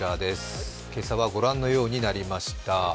今朝はご覧のようになりました。